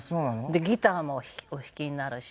でギターもお弾きになるし。